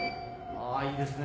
あっいいですね